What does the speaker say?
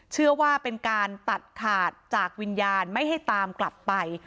เชื่อว่าเป็นการตัดขาดจากวิญญาณไม่ให้ตามกลับไป